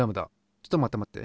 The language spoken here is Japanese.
ちょっと待って待って。